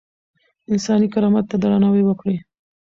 انساني کرامت ته درناوی وکړئ.